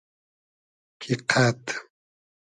کی قئد